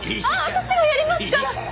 私がやりますから。